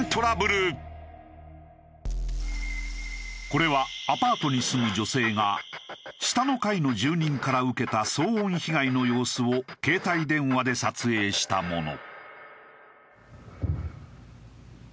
これはアパートに住む女性が下の階の住人から受けた騒音被害の様子を携帯電話で撮影したもの。